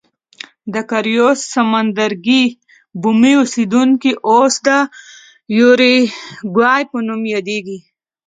د کارایوس سمندرګي بومي اوسېدونکي اوس د یوروګوای په نوم یادېږي.